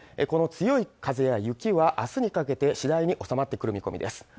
この強い風や雪はあすにかけて次第に収まってくる見込みです